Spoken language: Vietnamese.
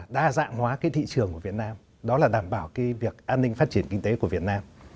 đa dạng hóa cái thị trường của việt nam đó là đảm bảo cái việc an ninh phát triển kinh tế của việt nam